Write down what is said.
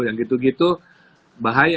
yang gitu gitu bahaya